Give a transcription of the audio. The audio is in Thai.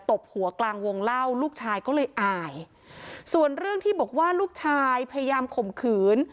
ตบหัวกลางวงเล่าลูกชายก็เลยอายส่วนเรื่องที่บอกว่าลูกชายพยายามข่มขืน